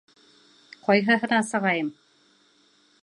Ҡайһыһына сығайым?